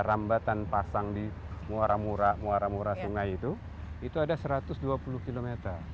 di daerah rambatan pasang di muara mura muara mura sungai itu itu ada satu ratus dua puluh km